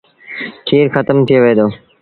کير کتم ٿئي وهي دو۔